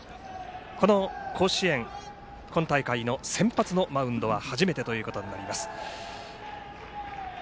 この甲子園、今大会の先発のマウンドは初めてということになります。